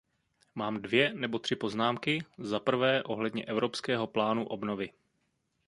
Mám dvě nebo tři poznámky, zaprvé ohledně evropského plánu obnovy.